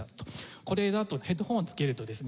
これだとヘッドホンを着けるとですね